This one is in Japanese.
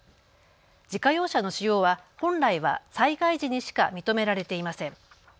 自家用車の使用は本来は災害時にしか認められていません。